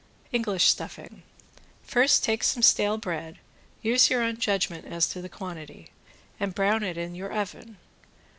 ~ENGLISH STUFFING~ First, take some stale bread (use your own judgment as to the quantity), and brown it in your oven.